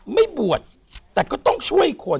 ไม่บวชแต่ก็ต้องช่วยคน